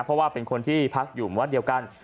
เพราะว่าเป็นคนที่พักอยู่วัดเดียวกัน